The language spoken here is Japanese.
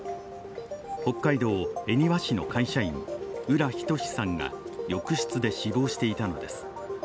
北海道恵庭市の会社員浦仁志さんが浴室で死亡していたのです。